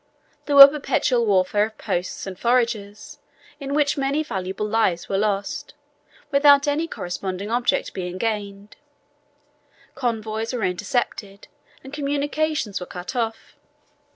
There was perpetual warfare of posts and foragers, in which many valuable lives were lost, without any corresponding object being gained; convoys were intercepted, and communications were cut off.